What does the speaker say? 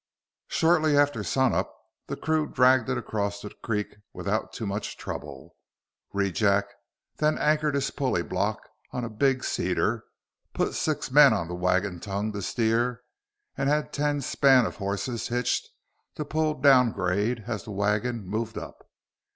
Shortly after sun up, the crew dragged it across the creek without too much trouble. Rejack then anchored his pulley block on a big cedar, put six men on the wagon tongue to steer, and had ten span of horses hitched to pull down grade as the wagon moved up.